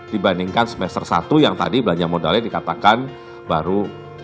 dibandingkan semester satu yang tadi belanja modalnya dikatakan baru